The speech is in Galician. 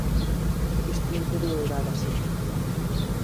Isto non podía durar así.